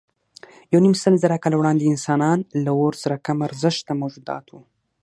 یونیمسلزره کاله وړاندې انسانان له اور سره کم ارزښته موجودات وو.